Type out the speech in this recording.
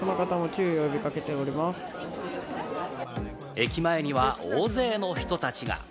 駅前には大勢の人たちが。